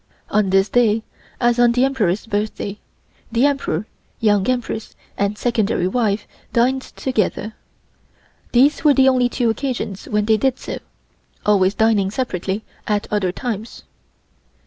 On this day, as on the Emperor's birthday, the Emperor, Young Empress and Secondary wife dined together. These were the only two occasions when they did so, always dining separately at other times.